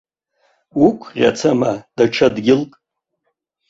Уқәӷьацама даҽа дгьылк?